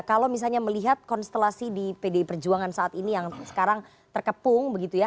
kalau misalnya melihat konstelasi di pdi perjuangan saat ini yang sekarang terkepung begitu ya